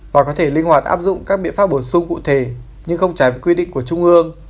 và có thể linh hoạt áp dụng các biện pháp bổ sung cụ thể nhưng không trái với quy định của trung ương